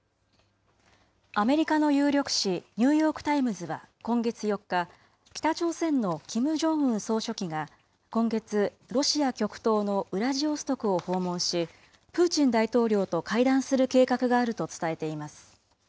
アメリカの有力紙、ニューヨーク・タイムズは今月４日、北朝鮮のキム・ジョンウン総書記が、今月、ロシア極東のウラジオストクを訪問し、プーチン大統領と会談する計画があると伝えています。